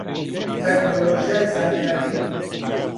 تەکنۆلۆژیای زانیاری